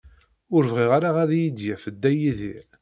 Ur bɣiɣ ara ad iyi-d-yaf Dda Yidir.